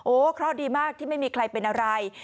เพราะดีมากที่ไม่มีใครเป็นอะไร